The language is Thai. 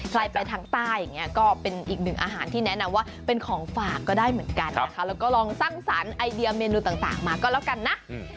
ไปทางใต้อย่างนี้ก็เป็นอีกหนึ่งอาหารที่แนะนำว่าเป็นของฝากก็ได้เหมือนกันนะคะแล้วก็ลองสร้างสรรค์ไอเดียเมนูต่างมาก็แล้วกันนะ